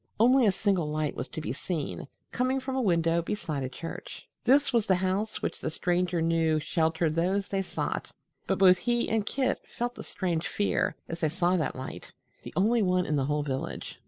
Only a single light was to be seen, coming from a window beside a church. This was the house which the Stranger knew sheltered those they sought, but both he and Kit felt a strange fear as they saw that light the only one in the whole village.